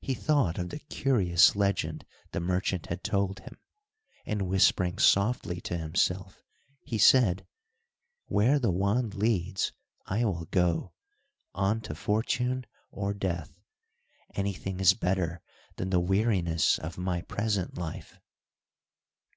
He thought of the curious legend the merchant had told him, and whispering softly to himself, he said: "Where the wand leads I will go—on to fortune, or death; any thing is better than the weariness of my present life."